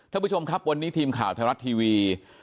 ท่านผู้ชมครับวันนี้ทีมข่าวไทยรัฐทีวี